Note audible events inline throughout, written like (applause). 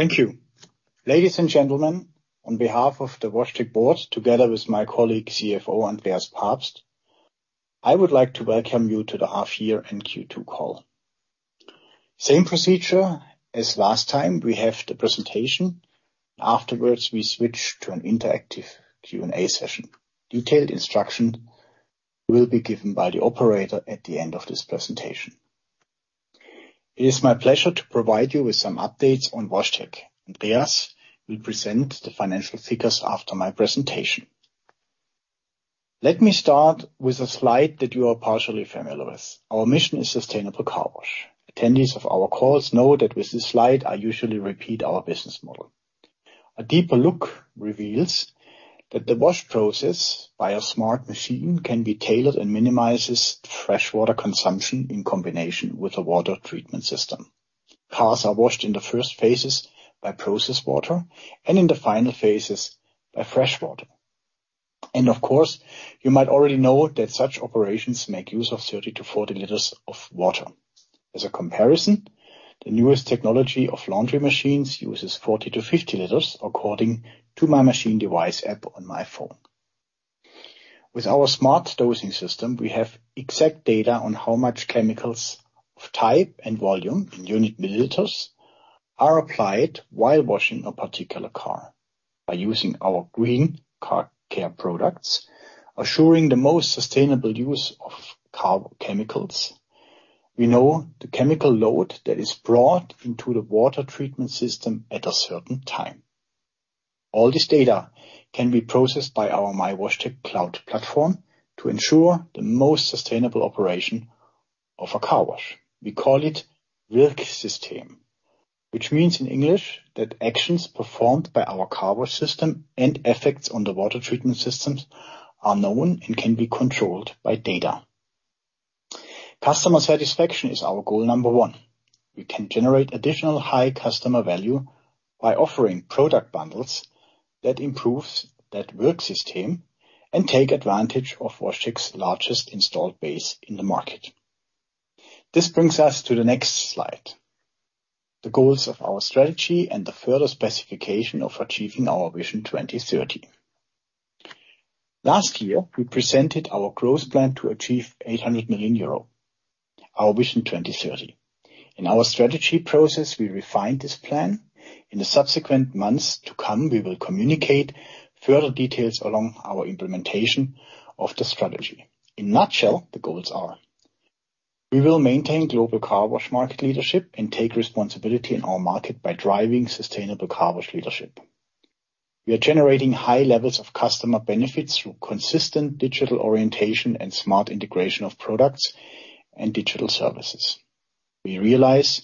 Thank you. Ladies and gentlemen, on behalf of the WashTec board, together with my colleague, CFO, Andreas Pabst, I would like to welcome you to the half year and second quarter call. Same procedure as last time, we have the presentation. Afterwards, we switch to an interactive Q&A session. Detailed instruction will be given by the operator at the end of this presentation. It is my pleasure to provide you with some updates on WashTec, Andreas will present the financial figures after my presentation. Let me start with a slide that you are partially familiar with. Our mission is sustainable car wash. Attendees of our calls know that with this slide, I usually repeat our business model. A deeper look reveals that the wash process by a smart machine can be tailored and minimizes freshwater consumption in combination with a water treatment system. Cars are washed in the first phases by process water, and in the final phases by fresh water. Of course, you might already know that such operations make use of 30 to 40 liters of water. As a comparison, the newest technology of laundry machines uses 40 to 50 liters, according to my machine device app on my phone. With our smart dosing system, we have exact data on how much chemicals of type and volume, in unit milliliters, are applied while washing a particular car. By using our Green Car Care products, assuring the most sustainable use of car chemicals, we know the chemical load that is brought into the water treatment system at a certain time. All this data can be processed by our myWashTec Cloud platform to ensure the most sustainable operation of a car wash. We call it WirkSystem, which means in English, that actions performed by our car wash system and effects on the water treatment systems are known and can be controlled by data. Customer satisfaction is our goal number one. We can generate additional high customer value by offering product bundles that improves that WirkSystem, and take advantage of WashTec's largest installed base in the market. This brings us to the next slide, the goals of our strategy and the further specification of achieving our Vision 2030. Last year, we presented our growth plan to achieve 800 million euro, our Vision 2030. In our strategy process, we refined this plan. In the subsequent months to come, we will communicate further details along our implementation of the strategy. In a nutshell, the goals are we will maintain global car wash market leadership and take responsibility in our market by driving sustainable car wash leadership. We are generating high levels of customer benefits through consistent digital orientation and smart integration of products and digital services. We realize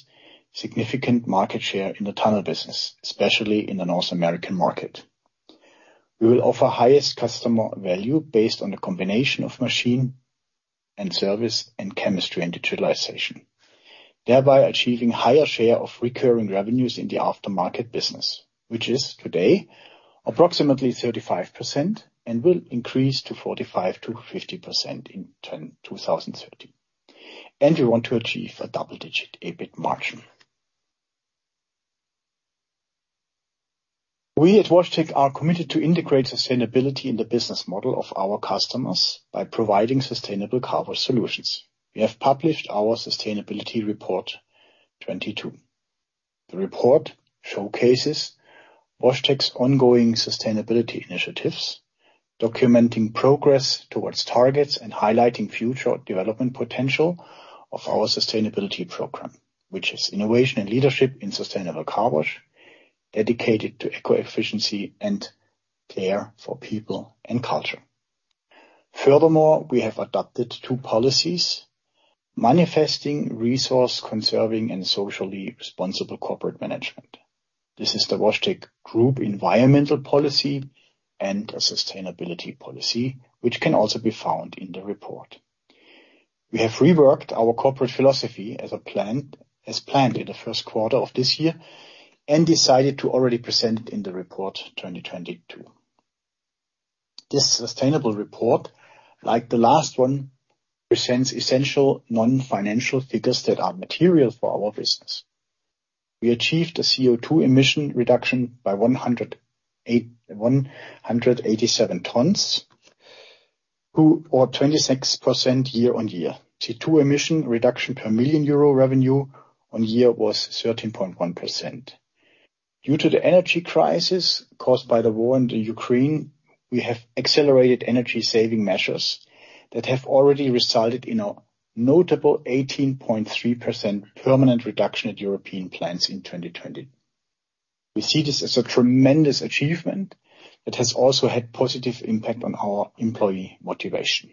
significant market share in the tunnel business, especially in the North American market. We will offer highest customer value based on the combination of machine and service, and chemistry and digitalization, thereby achieving higher share of recurring revenues in the aftermarket business, which is today approximately 35% and will increase to 45% to 50% in 2030. We want to achieve a double-digit EBIT margin. We at WashTec are committed to integrate sustainability in the business model of our customers by providing sustainable car wash solutions. We have published our Sustainability Report 2022. The report showcases WashTec's ongoing sustainability initiatives, documenting progress towards targets, and highlighting future development potential of our sustainability program, which is innovation and leadership in sustainable car wash, dedicated to eco-efficiency and care for people and culture. Furthermore, we have adopted two policies, manifesting resource conserving and socially responsible corporate management. This is the WashTec Group environmental policy and a sustainability policy, which can also be found in the report. We have reworked our corporate philosophy as planned in the first quarter of this year and decided to already present it in the report 2022. This sustainable report, like the last one, presents essential non-financial figures that are material for our business. We achieved a CO2 emissions reduction by 187 tons, or 26% year-over-year. The two emission reduction per 1 million euro revenue on year was 13.1%. Due to the energy crisis caused by the war in the Ukraine, we have accelerated energy saving measures that have already resulted in a notable 18.3% permanent reduction at European plants in 2020. We see this as a tremendous achievement that has also had positive impact on our employee motivation.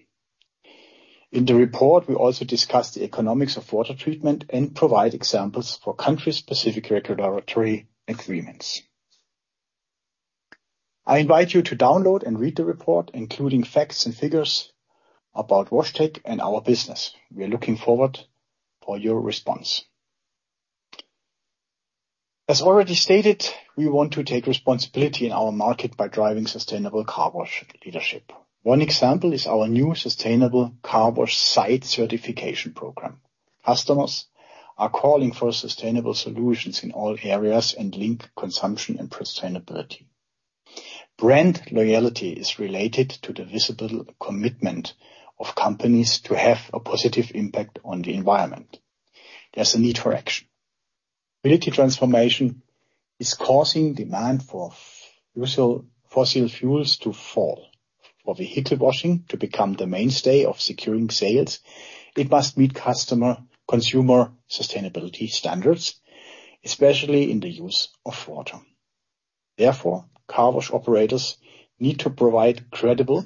In the report, we also discuss the economics of water treatment and provide examples for country-specific regulatory agreements. I invite you to download and read the report, including facts and figures about WashTec and our business. We are looking forward for your response. As already stated, we want to take responsibility in our market by driving sustainable car wash leadership. One example is our new sustainable car wash site certification program. Customers are calling for sustainable solutions in all areas, link consumption and sustainability. Brand loyalty is related to the visible commitment of companies to have a positive impact on the environment. There's a need for action. Mobility transformation is causing demand for fossil fuels to fall. For vehicle washing to become the mainstay of securing sales, it must meet consumer sustainability standards, especially in the use of water. Therefore, car wash operators need to provide credible,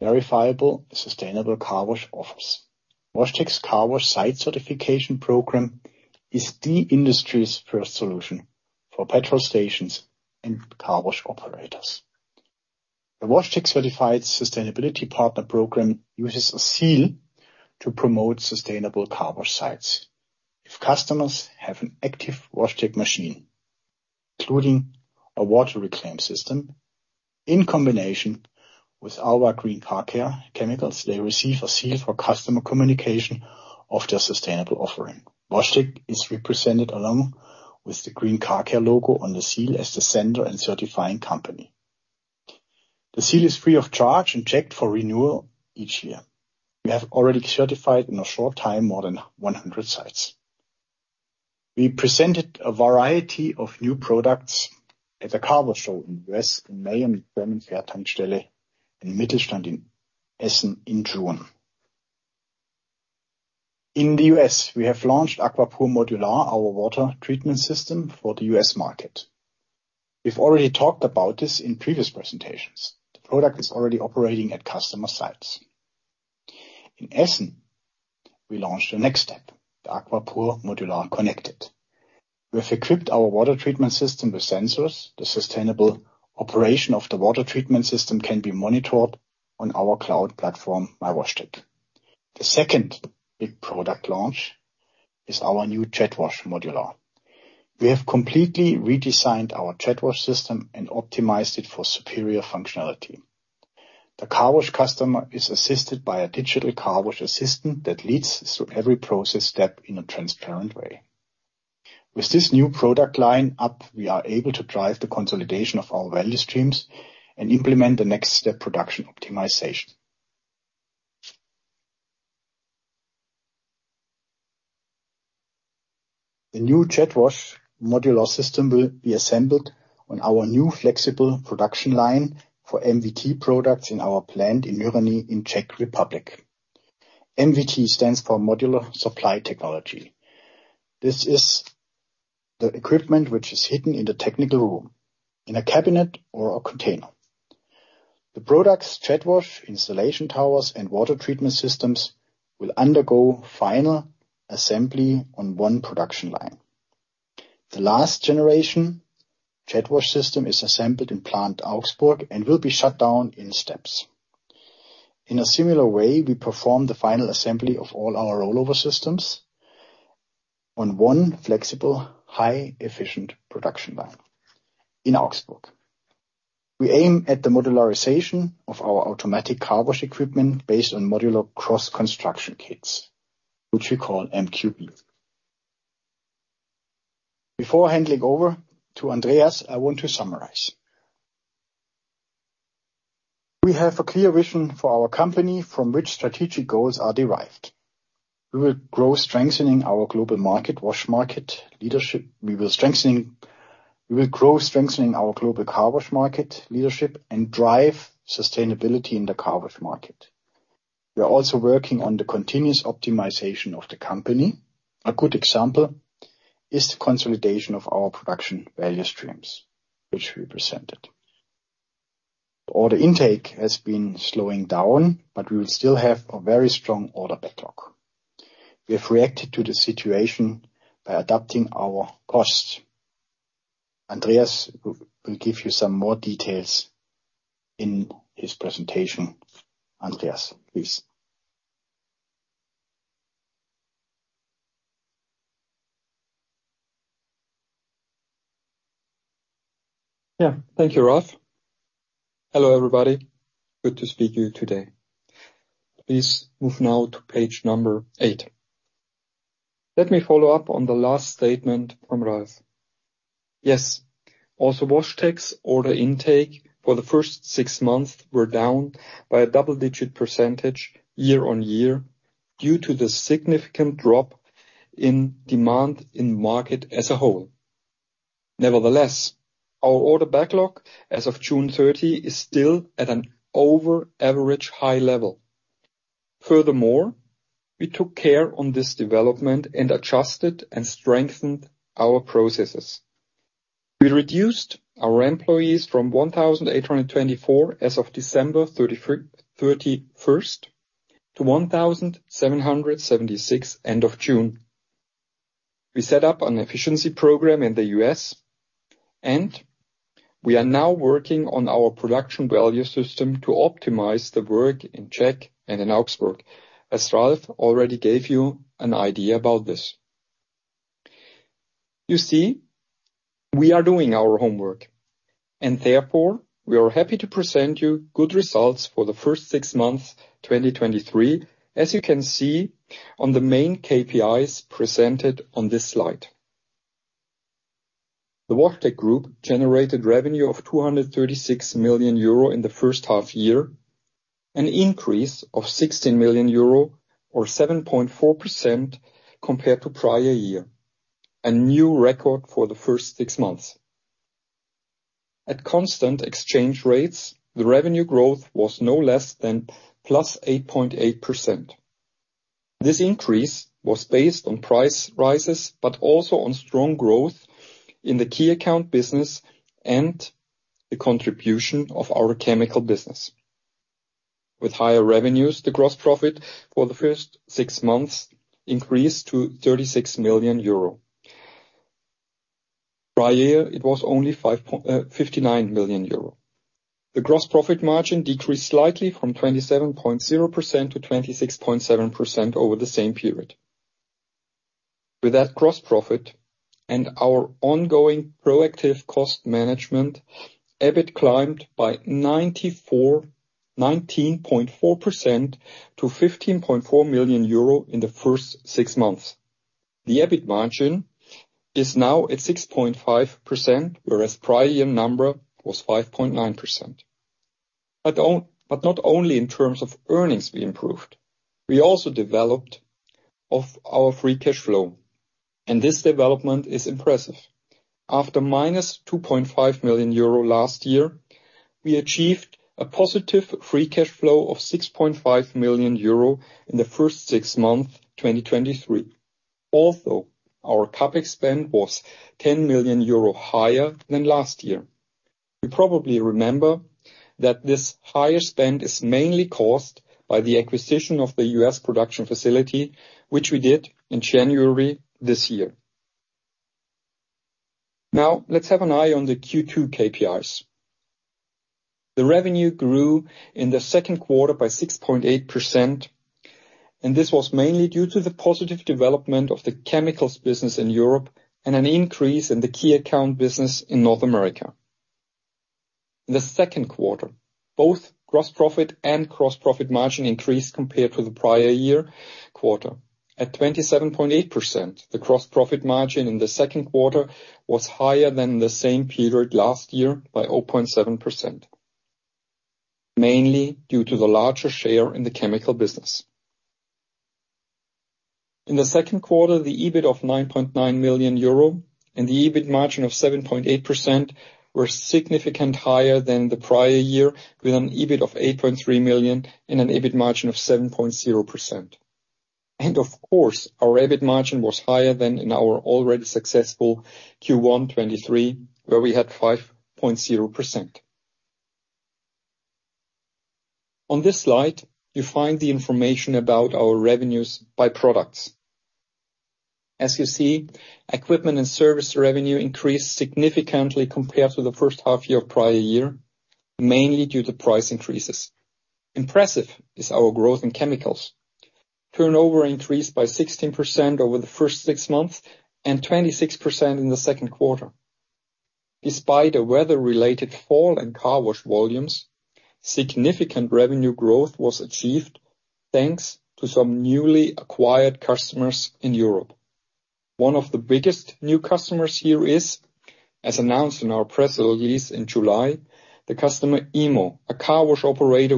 verifiable, sustainable car wash offers. WashTec's car wash site certification program is the industry's first solution for petrol stations and car wash operators. The WashTec Certified Sustainability Partner program uses a seal to promote sustainable car wash sites. If customers have an active WashTec machine, including a water reclaim system, in combination with our Green Car Care chemicals, they receive a seal for customer communication of their sustainable offering. WashTec is represented along with the Green Car Care logo on the seal as the sender and certifying company. The seal is free of charge and checked for renewal each year. We have already certified, in a short time, more than 100 sites. We presented a variety of new products at the car wash show in US, in May, and in Mittelstand, in Essen, in June. In the US, we have launched Aquapur Modular, our water treatment system for the US market. We've already talked about this in previous presentations. The product is already operating at customer sites. In Essen, we launched the next step, the Aquapur Modular Connected. We have equipped our water treatment system with sensors. The sustainable operation of the water treatment system can be monitored on our cloud platform, myWashTec. The second big product launch is our new JetWash Modular. We have completely redesigned our JetWash system and optimized it for superior functionality. The car wash customer is assisted by a digital car wash assistant that leads through every process step in a transparent way. With this new product lineup, we are able to drive the consolidation of our value streams and implement the next step, production optimization. The new JetWash Modular system will be assembled on our new flexible production line for MVT products in our plant in Nýřany, in Czech Republic. MVT stands for Modular Supply Technology. This is the equipment which is hidden in the technical room, in a cabinet or a container. The products, JetWash installation towers, and water treatment systems, will undergo final assembly on one production line. The last generation JetWash system is assembled in plant Augsburg and will be shut down in steps. In a similar way, we perform the final assembly of all our rollover systems on one flexible, high, efficient production line in Augsburg. We aim at the modularization of our automatic car wash equipment based on modular cross construction kits, which we call MQB. Before handing over to Andreas, I want to summarize. We have a clear vision for our company from which strategic goals are derived. We will grow, strengthening our global market wash market leadership. We will we will grow, strengthening our global car wash market leadership and drive sustainability in the car wash market. We are also working on the continuous optimization of the company. A good example is the consolidation of our production value streams, which we presented. Order intake has been slowing down, but we will still have a very strong order backlog. We have reacted to the situation by adapting our costs. Andreas will give you some more details in his presentation. Andreas, please. Thank you, Ralf. Hello, everybody. Good to speak to you today. Please move now to page number eight. Let me follow up on the last statement from Ralf. Also, WashTec's order intake for the first six months were down by a double-digit % year-over-year, due to the significant drop in demand in the market as a whole. Our order backlog as of 30 June 2023, is still at an over average high level. We took care on this development and adjusted and strengthened our processes. We reduced our employees from 1,824 as of 31 December 2022 to 1,776, end of June. We set up an efficiency program in the US, and we are now working on our production value system to optimize the work in Czech and in Augsburg, as Ralf already gave you an idea about this.... You see, we are doing our homework, and therefore, we are happy to present you good results for the first six months, 2023, as you can see on the main KPIs presented on this slide. The WashTec Group generated revenue of 236 million euro in the first half year, an increase of 16 million euro or 7.4% compared to prior year, a new record for the first six months. At constant exchange rates, the revenue growth was no less than +8.8%. This increase was based on price rises, but also on strong growth in the key account business and the contribution of our chemical business. With higher revenues, the gross profit for the first six months increased to 36 million euro. Prior year, it was only 5.59 million euro. The gross profit margin decreased slightly from 27.0% to 26.7% over the same period. With that gross profit and our ongoing proactive cost management, EBIT climbed by 19.4% to 15.4 million euro in the first six months. The EBIT margin is now at 6.5%, whereas prior year number was 5.9%. Not only in terms of earnings, we improved. We also developed of our free cash flow. This development is impressive. After negative 2.5 million euro last year, we achieved a positive free cash flow of 6.5 million euro in the first six months, 2023. Our CapEx spend was 10 million euro higher than last year. You probably remember that this higher spend is mainly caused by the acquisition of the US production facility, which we did in January this year. Let's have an eye on the second quarter KPIs. The revenue grew in the second quarter by 6.8%, and this was mainly due to the positive development of the chemicals business in Europe and an increase in the key account business in North America. In the second quarter, both gross profit and gross profit margin increased compared to the prior year quarter. At 27.8%, the gross profit margin in the second quarter was higher than the same period last year by 0.7%, mainly due to the larger share in the chemical business. In the second quarter, the EBIT of 9.9 million euro and the EBIT margin of 7.8% were significant higher than the prior year, with an EBIT of 8.3 million and an EBIT margin of 7.0%. Of course, our EBIT margin was higher than in our already successful first quarter '23, where we had 5.0%. On this slide, you find the information about our revenues by products. As you see, equipment and service revenue increased significantly compared to the first half-year of prior year, mainly due to price increases. Impressive is our growth in chemicals. Turnover increased by 16% over the first six months and 26% in the second quarter. Despite a weather-related fall in car wash volumes, significant revenue growth was achieved, thanks to some newly acquired customers in Europe. One of the biggest new customers here is, as announced in our press release in July, the customer IMO, a car wash operator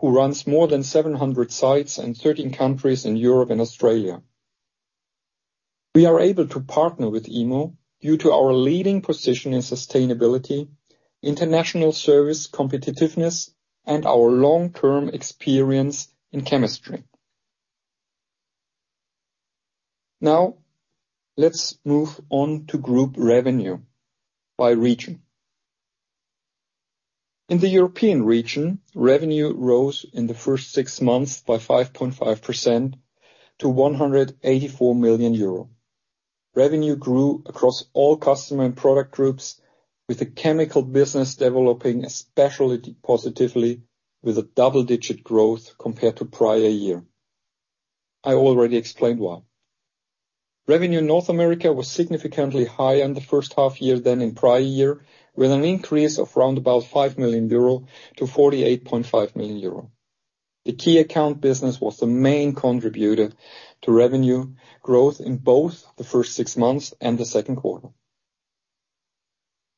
who runs more than 700 sites in 13 countries in Europe and Australia. We are able to partner with IMO due to our leading position in sustainability, international service competitiveness, and our long-term experience in chemistry. Now, let's move on to group revenue by region. In the European region, revenue rose in the first six months by 5.5% to 184 million euro. Revenue grew across all customer and product groups, with the chemical business developing especially positively, with a double-digit growth compared to prior year. I already explained why. Revenue in North America was significantly higher in the first half year than in prior year, with an increase of round about 5 to 48.5 million. The key account business was the main contributor to revenue growth in both the first six months and the second quarter.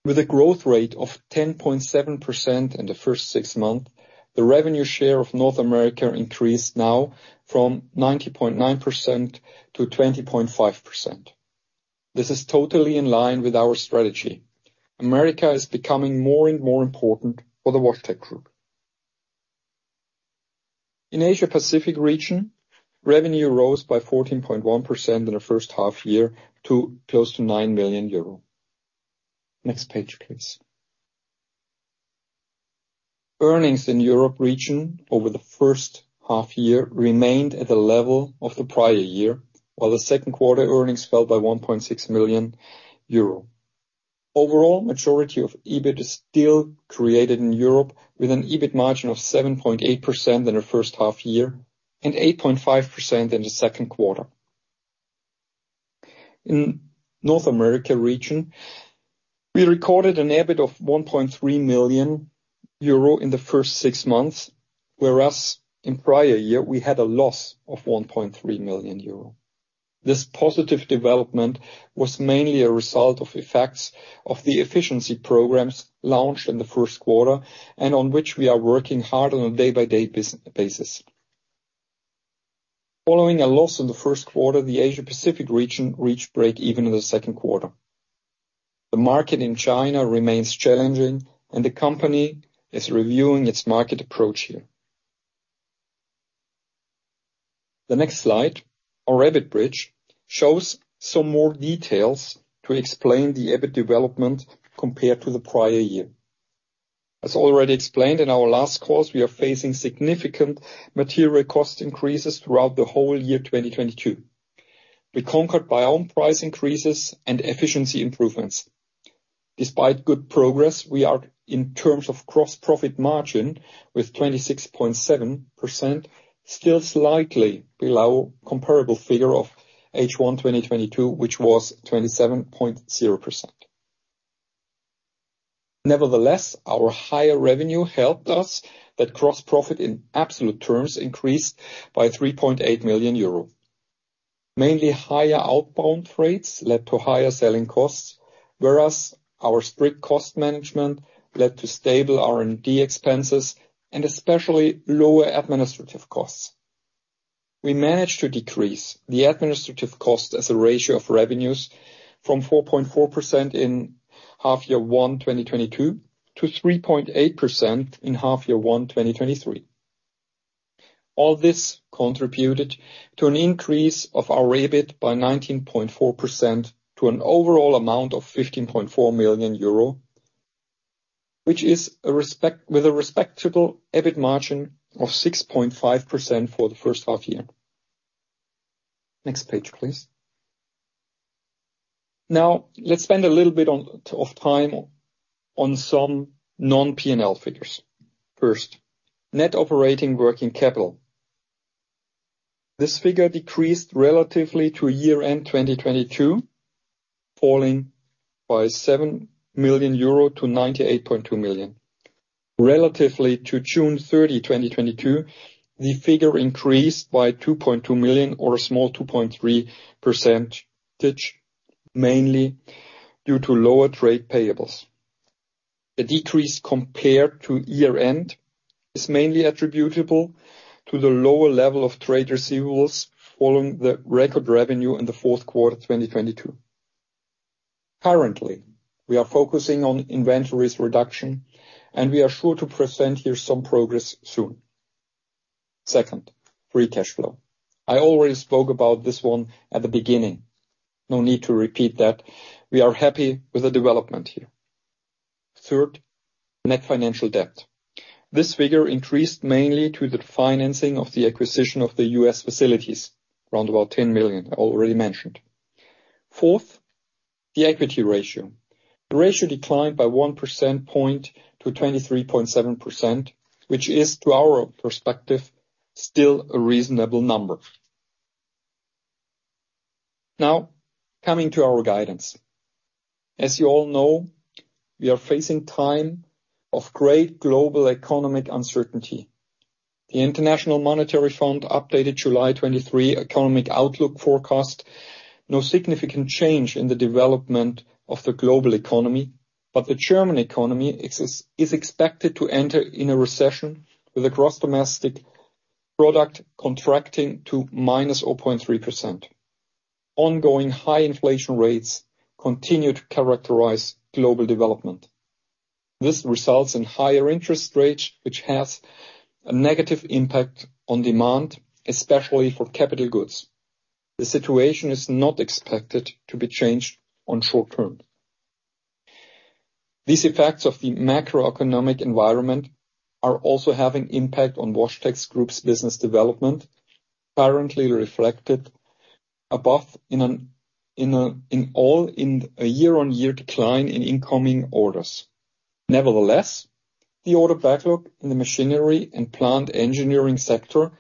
With a growth rate of 10.7% in the first six months, the revenue share of North America increased now from 90.9% to 20.5%. This is totally in line with our strategy. America is becoming more and more important for the WashTec Group. In Asia Pacific region, revenue rose by 14.1% in the first half year to close to 9 million euro. Next page, please. Earnings in Europe region over the first half year remained at the level of the prior year, while the second quarter earnings fell by 1.6 million euro. Overall, majority of EBIT is still created in Europe, with an EBIT margin of 7.8% in the first half year and 8.5% in the second quarter. In North America region, we recorded an EBIT of 1.3 million euro in the first six months, whereas in prior year, we had a loss of 1.3 million euro. This positive development was mainly a result of effects of the efficiency programs launched in the first quarter, on which we are working hard on a day-by-day basis. Following a loss in the first quarter, the Asia Pacific region reached breakeven in the second quarter. The market in China remains challenging, and the company is reviewing its market approach here. The next slide, our EBIT bridge, shows some more details to explain the EBIT development compared to the prior year. As already explained in our last calls, we are facing significant material cost increases throughout the whole year, 2022. We conquered by own price increases and efficiency improvements. Despite good progress, we are, in terms of gross profit margin, with 26.7%, still slightly below comparable figure of H1 2022, which was 27.0%. Nevertheless, our higher revenue helped us, that gross profit in absolute terms increased by 3.8 million euro. Mainly higher outbound rates led to higher selling costs, whereas our strict cost management led to stable R&D expenses and especially lower administrative costs. We managed to decrease the administrative cost as a ratio of revenues from 4.4% in H1 2022 to 3.8% in H1 2023. All this contributed to an increase of our EBIT by 19.4% to an overall amount of 15.4 million euro, with a respectable EBIT margin of 6.5% for the first half year. Next page, please. Now, let's spend a little bit on time on some non-P&L figures. First, net operating working capital. This figure decreased relatively to year-end 2022, falling by 7 to 98.2 million. Relatively to 30 June 2022, the figure increased by 2.2 million or a small 2.3%, mainly due to lower trade payables. The decrease compared to year-end is mainly attributable to the lower level of trade receivables, following the record revenue in fourth quarter 2022. Currently, we are focusing on inventories reduction, and we are sure to present here some progress soon. Second, free cash flow. I already spoke about this one at the beginning. No need to repeat that. We are happy with the development here. Third, net financial debt. This figure increased mainly to the financing of the acquisition of the US facilities, around about 10 million, I already mentioned. Fourth, the equity ratio. The ratio declined by 1 percentage point to 23.7%, which is, to our perspective, still a reasonable number. Coming to our guidance. As you all know, we are facing time of great global economic uncertainty. The International Monetary Fund updated July 2023 economic outlook forecast, no significant change in the development of the global economy, the German economy is expected to enter in a recession, with a gross domestic product contracting to -0.3%. Ongoing high inflation rates continue to characterize global development. This results in higher interest rates, which has a negative impact on demand, especially for capital goods. The situation is not expected to be changed on short term. These effects of the macroeconomic environment are also having impact on WashTec Group's business development, currently reflected above in a year-on-year decline in incoming orders. Nevertheless, the order backlog in the machinery and plant engineering sector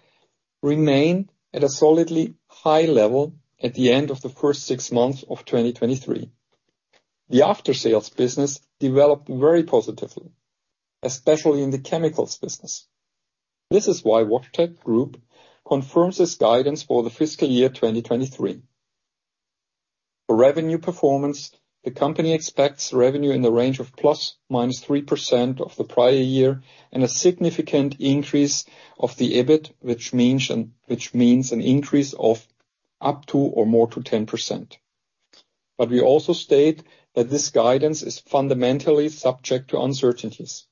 remain at a solidly high level at the end of the first six months of 2023. The after-sales business developed very positively, especially in the chemicals business. This is why WashTec Group confirms this guidance for the fiscal year 2023. For revenue performance, the company expects revenue in the range of ±3% of the prior year, and a significant increase of the EBIT, which means an increase of up to or more to 10%. We also state that this guidance is fundamentally subject to uncertainties.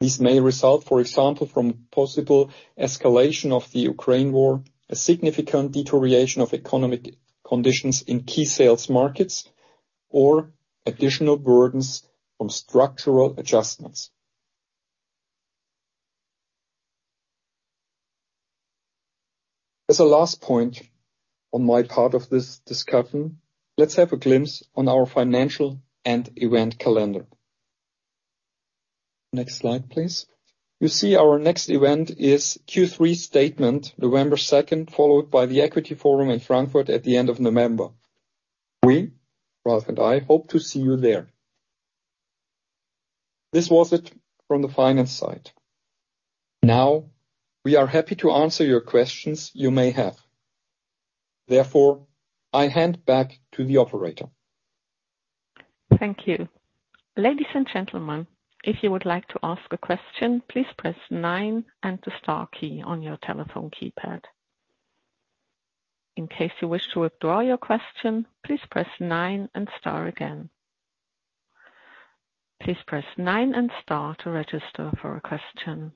This may result, for example, from possible escalation of the Ukraine war, a significant deterioration of economic conditions in key sales markets, or additional burdens from structural adjustments. As a last point on my part of this discussion, let's have a glimpse on our financial and event calendar. Next slide, please. You see our next event is third quarter statement, 2 November 2023, followed by the Equity Forum in Frankfurt at the end of November. We, Ralf and I, hope to see you there. This was it from the finance side. We are happy to answer your questions you may have. Therefore, I hand back to the operator. Thank you. Ladies and gentlemen, if you would like to ask a question, please press nine and the star key on your telephone keypad. In case you wish to withdraw your question, please press nine and star again. Please press nine and star to register for a question.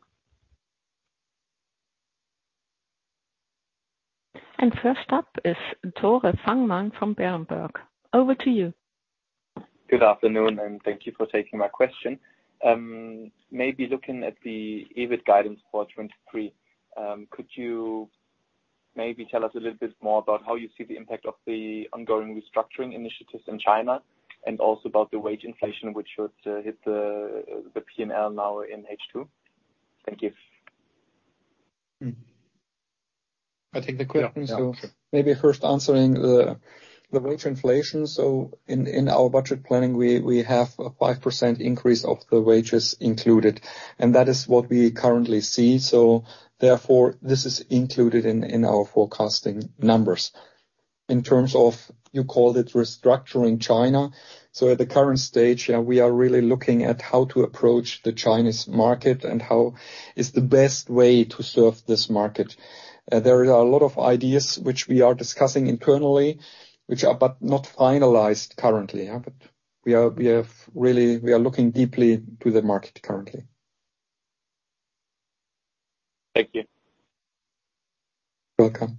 First up is Tore Fangmann from Berenberg. Over to you. Good afternoon and thank you for taking my question. Maybe looking at the EBIT guidance for 2023, could you maybe tell us a little bit more about how you see the impact of the ongoing restructuring initiatives in China, and also about the wage inflation, which should hit the P&L now in H2? Thank you. I think the question... (crosstalk) Yeah. Maybe first answering the wage inflation. In our budget planning, we have a 5% increase of the wages included, and that is what we currently see. Therefore, this is included in our forecasting numbers. In terms of, you called it restructuring China, at the current stage, yeah, we are really looking at how to approach the Chinese market and how is the best way to serve this market. There are a lot of ideas which we are discussing internally, which are but not finalized currently, yeah, but we are, we have really, we are looking deeply to the market currently. Thank you. You're welcome.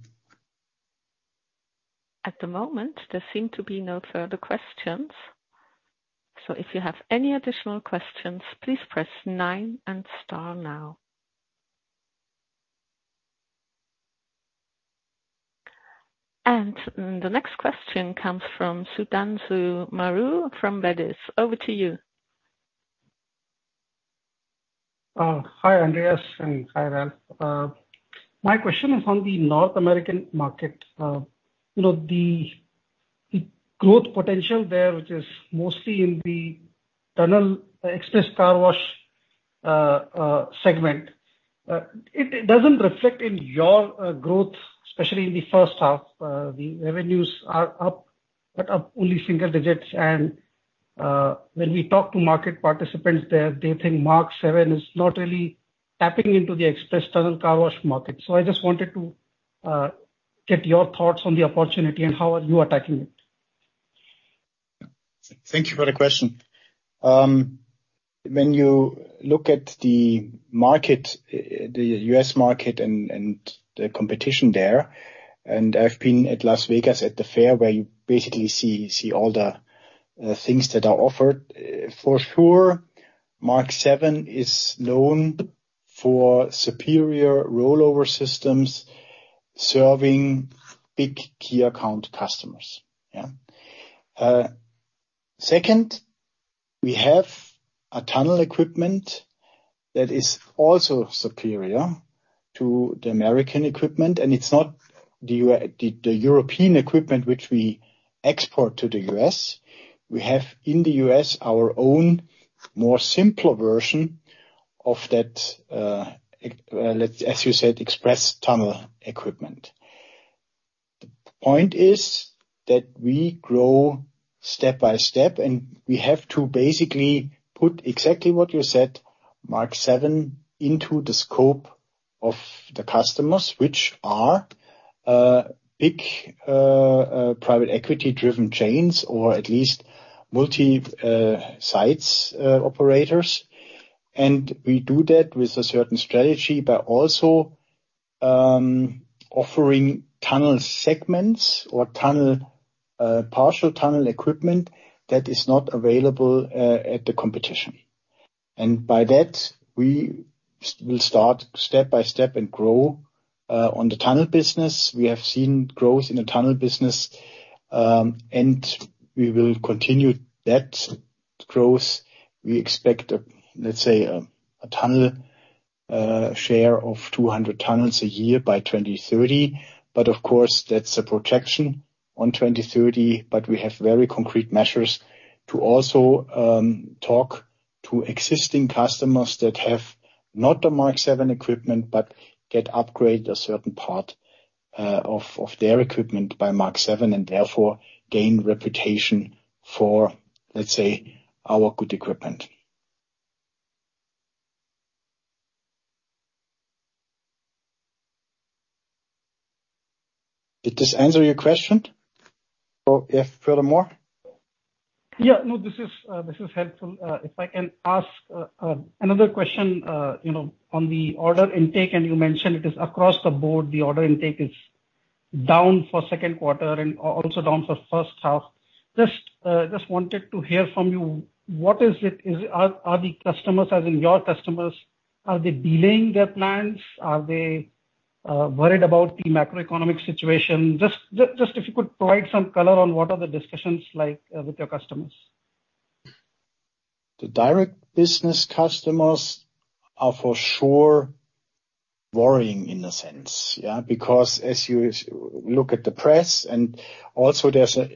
At the moment, there seem to be no further questions. If you have any additional questions, please press nine and star now. The next question comes from Sudhanshu Maru from Redes. Over to you. Hi, Andreas, and hi, Ralf. My question is on the North American market. You know, the growth potential there, which is mostly in the tunnel express car wash segment, it doesn't reflect in your growth, especially in the first half. The revenues are up, up only single digits. When we talk to market participants there, they think Mark VII is not really tapping into the express tunnel car wash market. I just wanted to get your thoughts on the opportunity and how are you attacking it? Thank you for the question. When you look at the market, the US market and the competition there, I've been at Las Vegas, at the fair, where you basically see all the things that are offered. For sure, Mark VII is known for superior rollover systems, serving big key account customers. Second, we have a tunnel equipment that is also superior to the American equipment, and it's not the European equipment which we export to the US. We have, in the US, our own more simpler version of that, as you said, express tunnel equipment. The point is that we grow step by step, and we have to basically put exactly what you said, Mark VII, into the scope of the customers, which are big private equity-driven chains, or at least multi-sites operators. We do that with a certain strategy, but also offering tunnel segments or tunnel partial tunnel equipment that is not available at the competition. By that, we will start step by step and grow on the tunnel business. We have seen growth in the tunnel business, and we will continue that growth. We expect, let's say, a tunnel share of 200 tunnels a year by 2030. Of course, that's a projection on 2030, but we have very concrete measures to also talk to existing customers that have not the Mark VII equipment but get upgrade a certain part of their equipment by Mark VII, and therefore, gain reputation for, let's say, our good equipment. Did this answer your question, or if furthermore? Yeah. No, this is, this is helpful. If I can ask, another question, you know, on the order intake, and you mentioned it is across the board, the order intake is down for second quarter and also down for first half. Just, just wanted to hear from you, what is it? Are the customers, as in your customers, are they delaying their plans? Are they worried about the macroeconomic situation? Just, just, just if you could provide some color on what are the discussions like with your customers. The direct business customers are for sure worrying in a sense, yeah, because as you look at the press and also there's a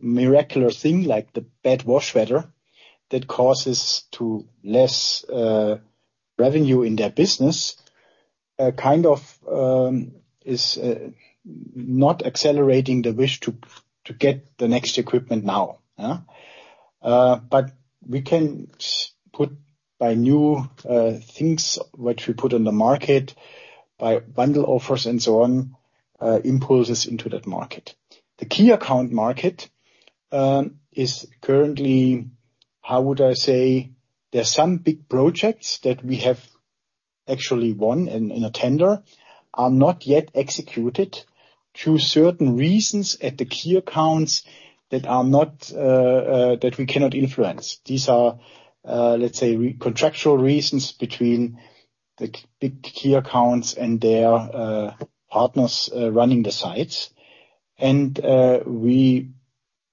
miraculous thing like the bad wash weather, that causes to less revenue in their business, kind of, is not accelerating the wish to get the next equipment now, yeah. We can put by new things which we put on the market, by bundle offers and so on, impulses into that market. The key account market is currently, how would I say? There are some big projects that we have actually won in, in a tender, are not yet executed due certain reasons at the key accounts that are not that we cannot influence. These are, let's say, contractual reasons between the big key accounts and their partners, running the sites. We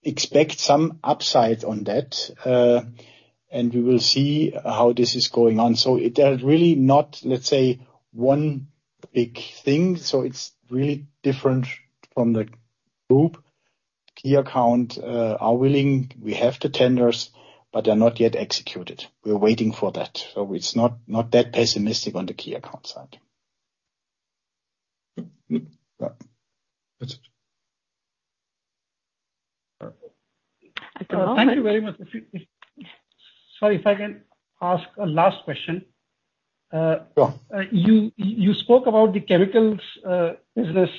expect some upside on that, and we will see how this is going on. There's really not, let's say, one big thing, so it's really different from the group. Key account are willing. We have the tenders, but they're not yet executed. We're waiting for that. It's not, not that pessimistic on the key account side. That's it. Thank you very much. If, if... Sorry, if I can ask a last question. Sure. You, you spoke about the chemicals business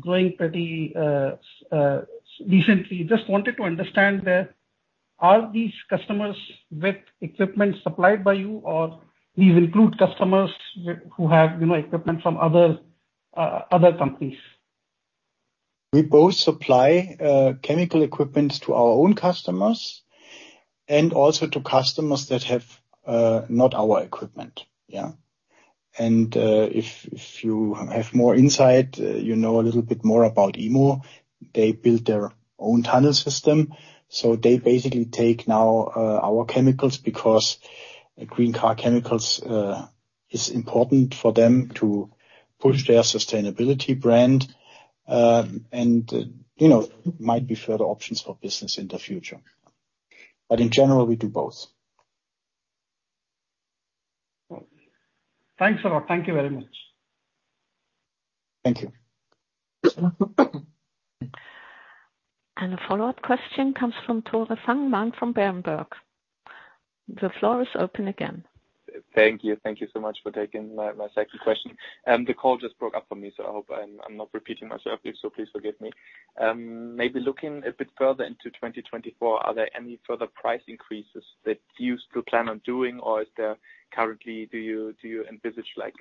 growing pretty decently. Just wanted to understand, are these customers with equipment supplied by you, or these include customers who have, you know, equipment from other companies? We both supply chemical equipment to our own customers and also to customers that have not our equipment. Yeah. If, if you have more insight, you know, a little bit more about IMO, they built their own tunnel system, so they basically take now our chemicals, because Green Car Care chemicals is important for them to push their sustainability brand. You know, might be further options for business in the future. In general, we do both. Thanks a lot. Thank you very much. Thank you. A follow-up question comes from Tore Fangmann from Berenberg. The floor is open again. Thank you. Thank you so much for taking my, my second question. The call just broke up for me, so I hope I'm, I'm not repeating myself. Please forgive me. Maybe looking a bit further into 2024, are there any further price increases that you still plan on doing, or do you, do you envisage, like,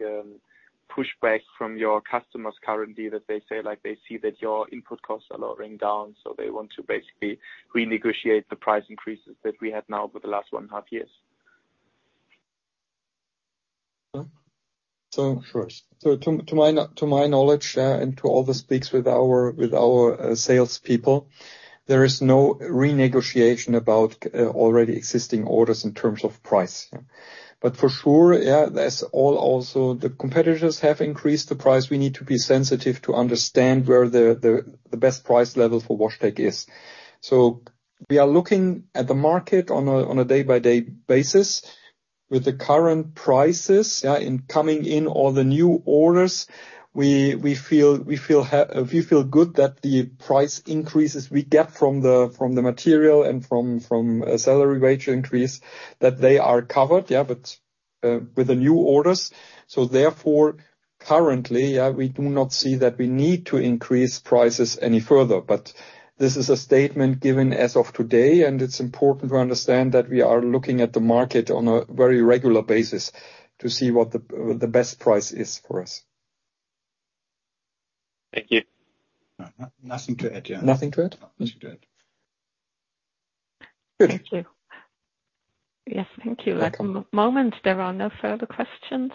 pushback from your customers currently, that they say, like, they see that your input costs are lowering down, so they want to basically renegotiate the price increases that we had now over the last one and a half years? First, to my knowledge, and to all the speaks with our, with our salespeople, there is no renegotiation about already existing orders in terms of price. For sure, there's also the competitors have increased the price. We need to be sensitive to understand where the best price level for WashTec is. We are looking at the market on a day-by-day basis. With the current prices, and coming in all the new orders, we feel good that the price increases we get from the material and from salary wage increase, that they are covered, but with the new orders. Therefore, currently, we do not see that we need to increase prices any further. This is a statement given as of today, and it's important to understand that we are looking at the market on a very regular basis to see what the, the best price is for us. Thank you. Nothing to add. Yeah. Nothing to add? Nothing to add. Thank you. Yes, thank you. At the moment, there are no further questions.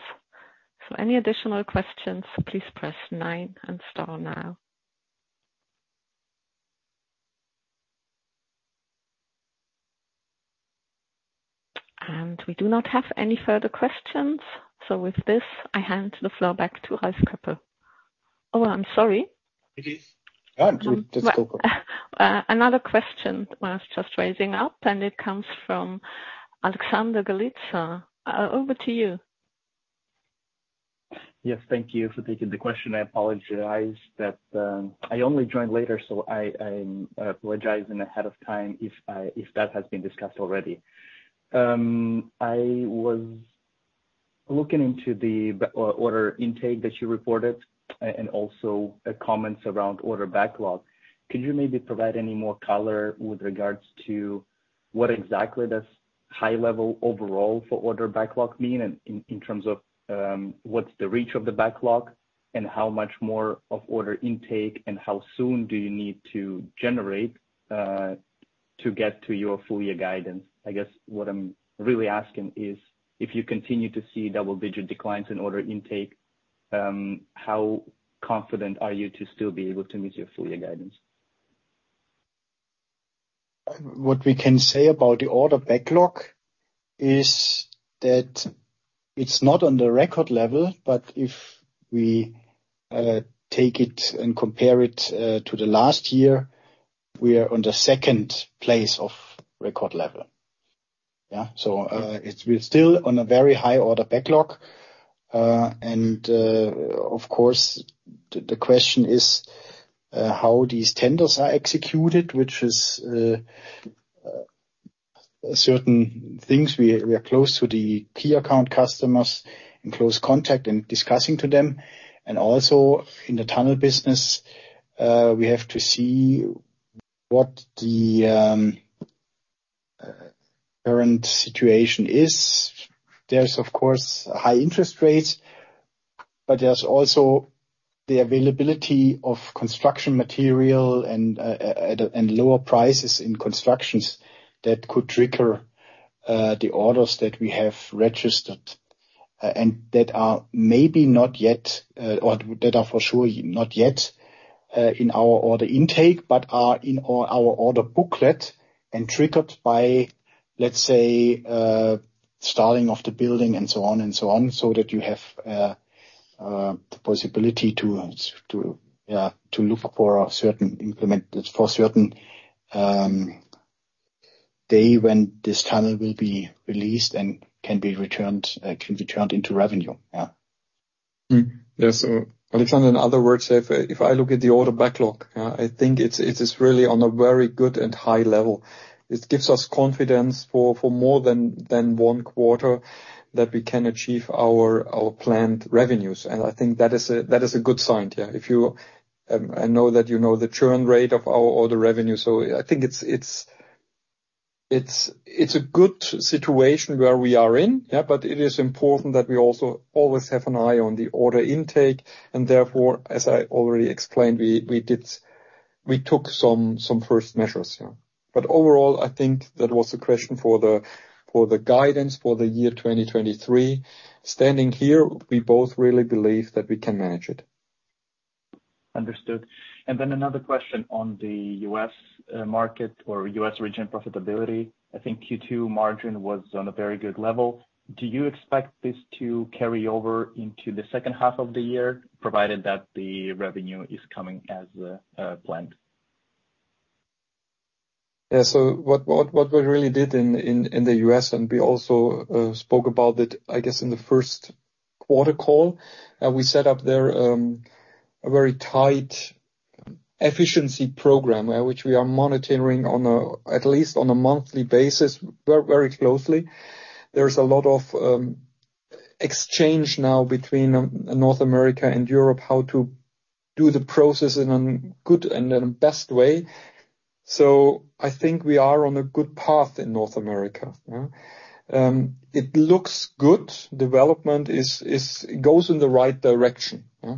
Any additional questions, please press nine and star now. We do not have any further questions. With this, I hand the floor back to Ralf Koeppe. Oh, I'm sorry. Please. All right, just go. Another question was just raising up, and it comes from Alexander Galitsa. Over to you. Yes, thank you for taking the question. I apologize that I only joined later, so I am apologizing ahead of time if that has been discussed already. I was looking into the order intake that you reported, and also comments around order backlog. Could you maybe provide any more color with regards to what exactly does high level overall for order backlog mean in, in terms of what's the reach of the backlog? How much more of order intake, and how soon do you need to generate to get to your full year guidance? I guess what I am really asking is, if you continue to see double-digit declines in order intake, how confident are you to still be able to meet your full year guidance? What we can say about the order backlog is that it's not on the record level. If we take it and compare it to the last year, we are on the second place of record level. Yeah. We're still on a very high order backlog. Of course, the question is how these tenders are executed, which is certain things we are close to the key account customers, in close contact and discussing to them. Also in the tunnel business, we have to see what the current situation is. There's, of course, high interest rates, but there's also the availability of construction material and lower prices in constructions that could trigger the orders that we have registered. That are maybe not yet, or that are for sure, not yet, in our order intake, but are in our, our order booklet and triggered by, let's say, starting of the building and so on and so on. That you have the possibility to, to, yeah, to look for a certain for certain day when this tunnel will be released and can be returned, can be turned into revenue. Yeah. Yes, Alexander, in other words, if, if I look at the order backlog, I think it's, it is really on a very good and high level. It gives us confidence for, for more than, than one quarter that we can achieve our, our planned revenues. I think that is a, that is a good sign, yeah. If you, I know that you know the churn rate of our order revenue, I think it's, it's, it's, it's a good situation where we are in, yeah, it is important that we also always have an eye on the order intake, and therefore, as I already explained, we took some, some first measures, yeah. Overall, I think that was the question for the, for the guidance for the year 2023. Standing here, we both really believe that we can manage it. Understood. Then another question on the US market or US region profitability. I think second quarter margin was on a very good level. Do you expect this to carry over into the second half of the year, provided that the revenue is coming as planned? Yeah. What, what, what we really did in, in, in the US, and we also spoke about it, I guess, in the first quarter call. We set up there a very tight efficiency program, which we are monitoring on a, at least on a monthly basis, very, very closely. There's a lot of exchange now between North America and Europe, how to do the process in a good and in a best way. I think we are on a good path in North America, yeah. It looks good. Development is, is... It goes in the right direction, yeah.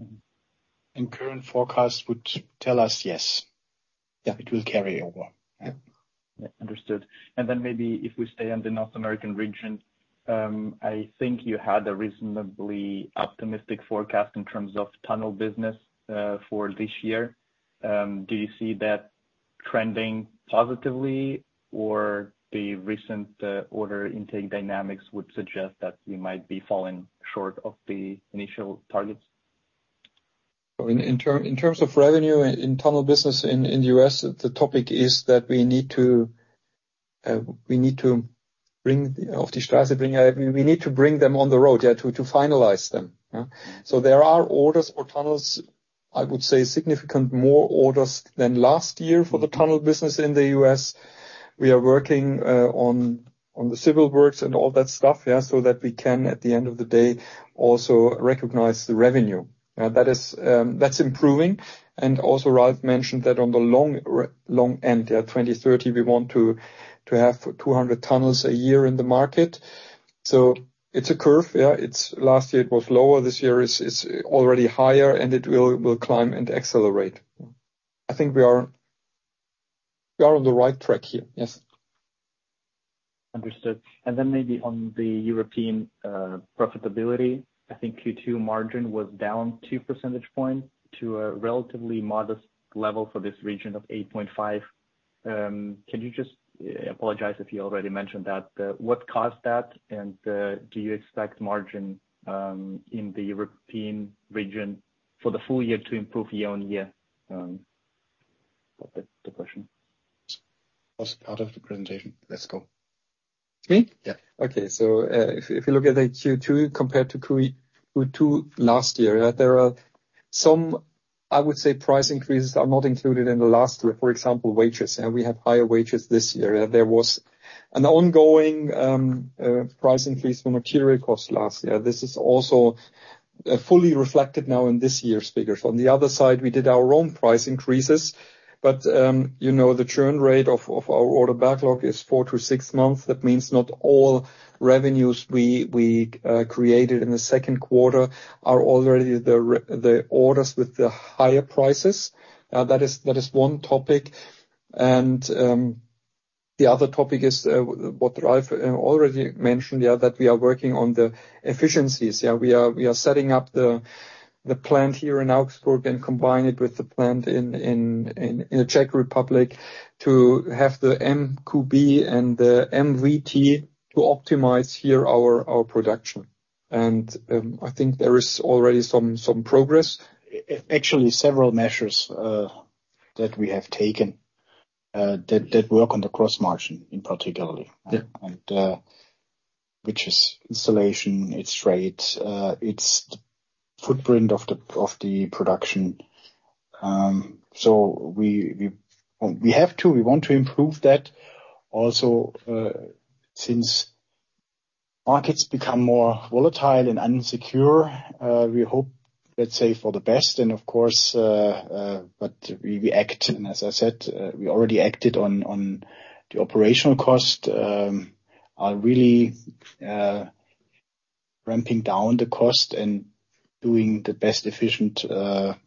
Mm-hmm. Current forecast would tell us, yes. Yeah. It will carry over. Yeah. Yeah. Understood. Maybe if we stay in the North American region, I think you had a reasonably optimistic forecast in terms of tunnel business for this year. Do you see that trending positively, or the recent order intake dynamics would suggest that you might be falling short of the initial targets? In terms of revenue in tunnel business in the US, the topic is that we need to bring them on the road, yeah, to finalize them, yeah. There are orders for tunnels, I would say significant more orders than last year for the tunnel business in the US. We are working on the civil works and all that stuff, yeah, so that we can, at the end of the day, also recognize the revenue. That is, that's improving, and also Ralf mentioned that on the long end, yeah, 2030, we want to have 200 tunnels a year in the market. It's a curve, yeah. Last year, it was lower. This year, it's already higher, and it will climb and accelerate. I think we are, we are on the right track here. Yes. Understood. Maybe on the European profitability, I think second quarter margin was down 2 percentage points to a relatively modest level for this region of 8.5%. Apologize if you already mentioned that, what caused that, and do you expect margin in the European region for the full year to improve year-on-year? That's the question. What's part of the presentation? Let's go. Me? Yeah. If you look at the second quarter compared to second quarter last year, there are some, I would say, price increases are not included in the last three, for example, wages. We have higher wages this year. There was an ongoing price increase for material costs last year. This is also fully reflected now in this year's figures. On the other side, we did our own price increases. You know, the churn rate of our order backlog is four to six months. That means not all revenues we created in the second quarter are already the orders with the higher prices. That is one topic. The other topic is what Ralf already mentioned that we are working on the efficiencies. Yeah, we are setting up the plant here in Augsburg and combine it with the plant in the Czech Republic, to have the MQB and the MVT to optimize here our production. I think there is already some progress. Actually, several measures that we have taken that work on the cross-margin, in particular. Yeah. Which is installation, it's rate, it's the footprint of the, of the production. We, we, we have to, we want to improve that. Also, since markets become more volatile and unsecure, we hope, let's say, for the best, and of course, but we, we act. As I said, we already acted on, on the operational cost, are really ramping down the cost and doing the best efficient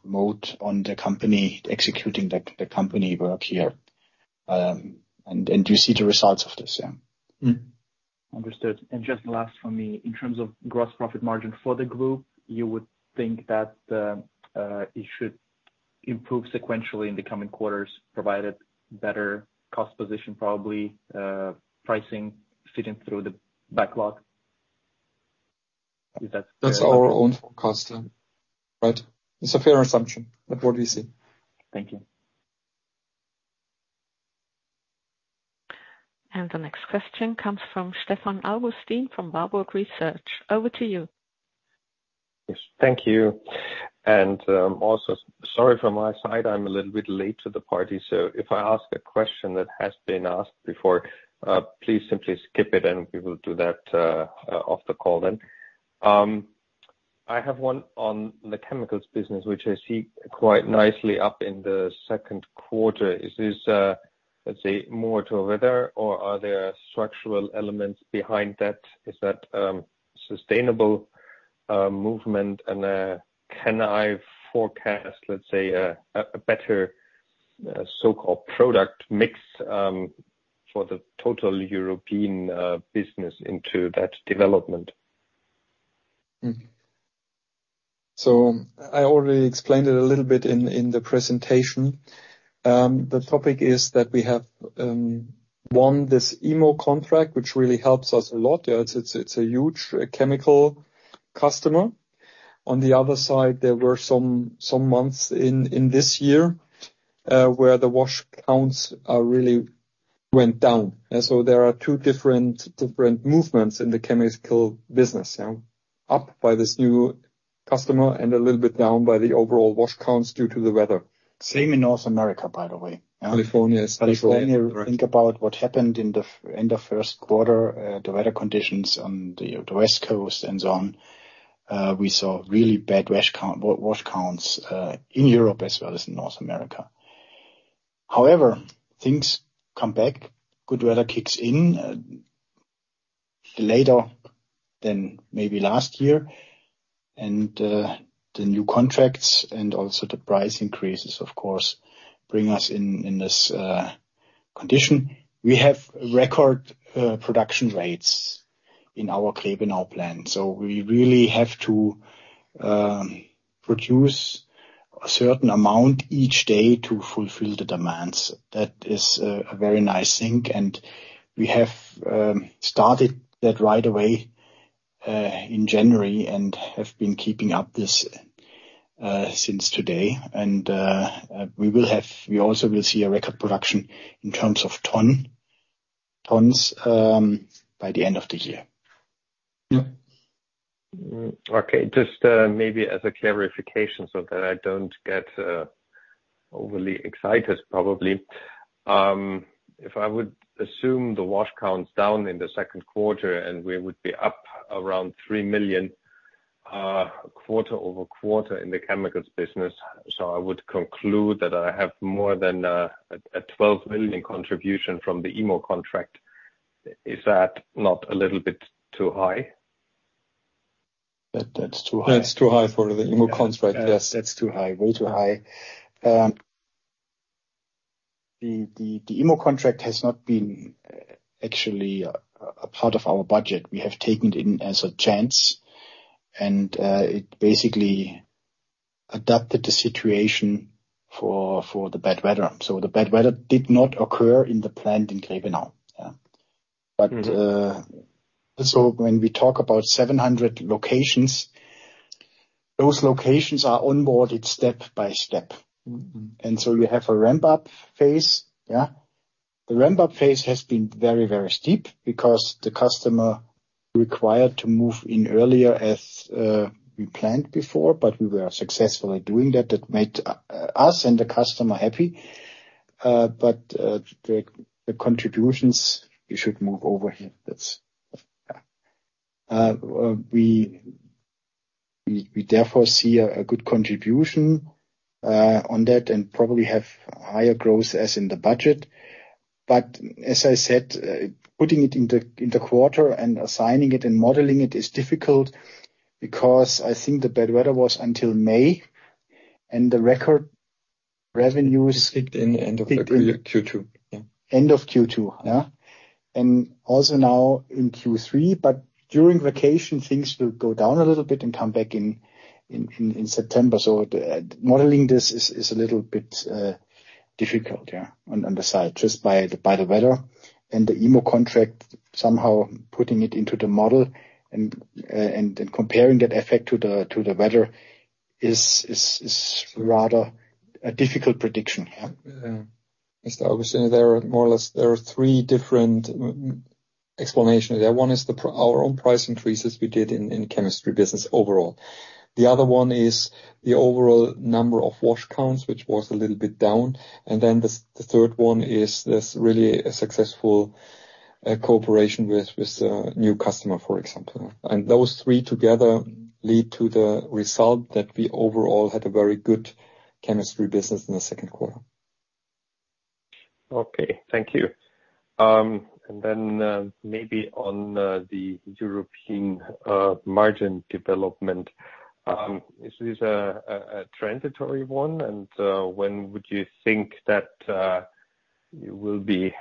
mode on the company, executing the company work here. You see the results of this, yeah. Mm-hmm. Understood. Just last for me, in terms of gross profit margin for the group, you would think that it should improve sequentially in the coming quarters, provided better cost position, probably, pricing fitting through the backlog? Is that... That's our own forecast, yeah. Right. It's a fair assumption of what we see. Thank you. The next question comes from Stefan Augustin from Warburg Research. Over to you. Yes, thank you. Also, sorry for my side, I'm a little bit late to the party, so if I ask a question that has been asked before, please simply skip it, and we will do that off the call then. I have one on the chemicals business, which I see quite nicely up in the second quarter. Is this, let's say, more to weather, or are there structural elements behind that? Is that sustainable movement, and can I forecast, let's say, a better so-called product mix for the total European business into that development? I already explained it a little bit in, in the presentation. The topic is that we have won this IMO contract, which really helps us a lot. Yeah, it's, it's a huge chemical customer. On the other side, there were some, some months in, in this year, where the wash counts really went down. There are two different, different movements in the chemical business, yeah. Up by this new customer, and a little bit down by the overall wash counts, due to the weather. Same in North America, by the way. California, especially. When you think about what happened in the first quarter, the weather conditions on the, the West Coast and so on, we saw really bad wash count, wash counts, in Europe as well as in North America. However, things come back, good weather kicks in, later than maybe last year, and the new contracts and also the price increases, of course, bring us in, in this, condition. We have record production rates in our Klenau plant, so we really have to produce a certain amount each day to fulfill the demands. That is a very nice thing, and we have started that right away, in January, and have been keeping up this, since today. We also will see a record production in terms of ton, tons by the end of the year. Yeah. Okay. Just maybe as a clarification so that I don't get overly excited, probably. If I would assume the wash count's down in the second quarter, and we would be up around 3 million quarter-over-quarter in the chemicals business, so I would conclude that I have more than a 12 million contribution from the IMO contract. Is that not a little bit too high? That, that's too high. That's too high for the IMO contract, yes. That's too high, way too high. The, the, the IMO contract has not been, actually, a, a part of our budget. We have taken it in as a chance, it basically adapted the situation for, for the bad weather. The bad weather did not occur in the plant in Klenau. Mm-hmm. When we talk about 700 locations, those locations are onboarded step by step. Mm-hmm. So, you have a ramp-up phase, yeah? The ramp-up phase has been very, very steep, because the customer required to move in earlier as we planned before, but we were successful at doing that. That made us and the customer happy. The contributions, we should move over here. That's, we therefore see a good contribution on that and probably have higher growth as in the budget. As I said, putting it in the quarter and assigning it and modeling it is difficult, because I think the bad weather was until May, and the record revenues... (crosstalk) Kicked in end of second quarter. Yeah. End of second quarter, yeah. Also now in third quarter, but during vacation, things will go down a little bit and come back in September. The modeling this is a little bit difficult, yeah, on the side, just by the weather. The IMO contract, somehow putting it into the model and comparing that effect to the weather is rather a difficult prediction. Yeah. Yeah. As obviously, there are more or less, there are three different explanations there. One is our own price increases we did in, in chemistry business overall. The other one is the overall number of wash counts, which was a little bit down. The 3rd one is this really a successful cooperation with, with new customer, for example. Those three together lead to the result that we overall had a very good chemistry business in the second quarter. Okay, thank you. Then maybe on the European margin development. Is this a transitory one? When would you think that you will be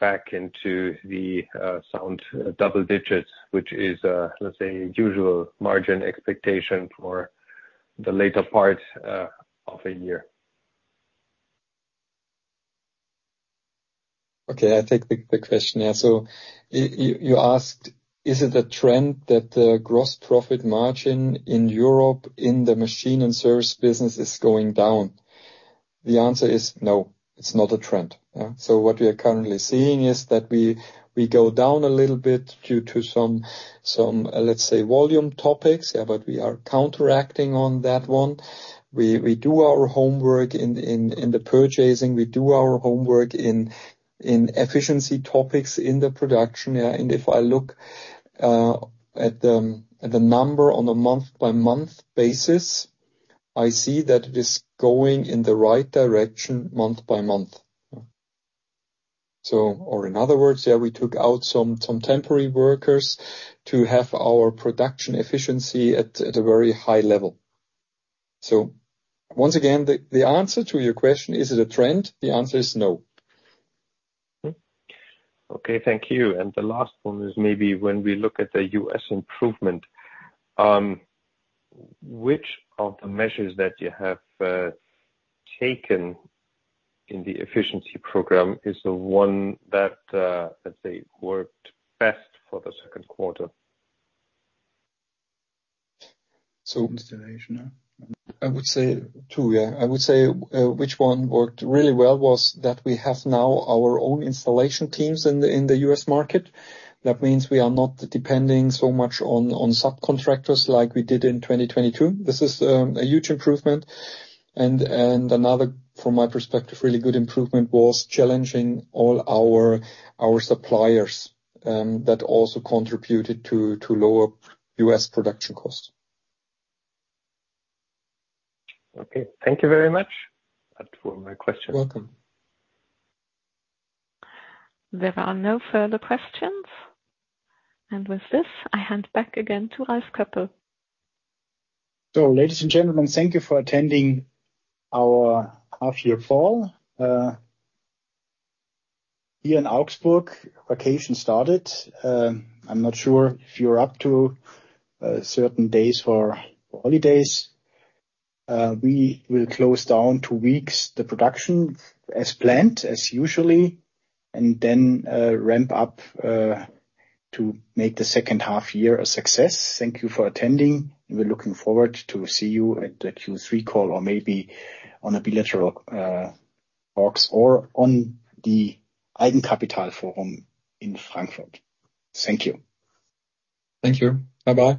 back into the sound double digits, which is, let's say, usual margin expectation for the later part of a year? Okay, I take the question. Yeah. You asked, is it a trend that the gross profit margin in Europe, in the machine and service business is going down? The answer is no, it's not a trend. Yeah. What we are currently seeing is that we go down a little bit due to some, let's say, volume topics, yeah, but we are counteracting on that one. We do our homework in the purchasing, we do our homework in efficiency topics in the production. If I look at the number on a month-by-month basis, I see that it is going in the right direction month by month. In other words, yeah, we took out some temporary workers to have our production efficiency at a very high level. Once again, the, the answer to your question, is it a trend? The answer is no. Okay, thank you. The last one is maybe when we look at the US improvement, which of the measures that you have taken in the efficiency program is the one that, let's say, worked best for the second quarter? So... Installation, yeah. I would say two, yeah. I would say, which one worked really well was that we have now our own installation teams in the US market. That means we are not depending so much on subcontractors like we did in 2022. This is a huge improvement. Another, from my perspective, really good improvement was challenging all our suppliers, that also contributed to lower US production costs. Okay. Thank you very much. That were my questions. Welcome. There are no further questions. With this, I hand back again to Ralf Koeppe. Ladies and gentlemen, thank you for attending our half-year call. Here in Augsburg, vacation started. I'm not sure if you're up to certain days for holidays. We will close down two weeks, the production, as planned, as usually, and then ramp up to make the second half-year a success. Thank you for attending. We're looking forward to see you at the third quarter call or maybe on a bilateral talks or on the Eigenkapital Forum in Frankfurt. Thank you. Thank you. Bye-bye.